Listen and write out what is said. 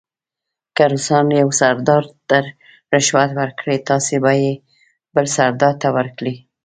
که روسان یو سردار ته رشوت ورکړي تاسې به یې بل سردار ته ورکړئ.